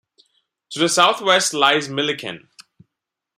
To the southwest lies Millikan.